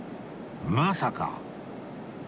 まさか